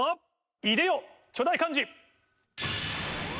いでよ巨大漢字。